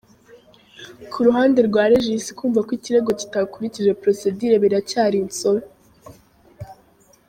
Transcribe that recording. Ku ruhande rwa Regis kumva ko ikirego kitakurikije procedure biracyari insobe